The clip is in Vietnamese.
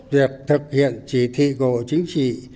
việc thực hiện chỉ thị cổ chính trị